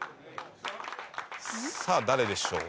さあ誰でしょう？